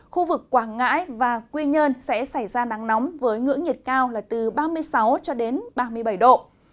khu vực quảng ngãi và quy nhơn sẽ xảy ra nắng nóng với ngưỡng nhiệt cao là từ ba mươi sáu ba mươi bảy độ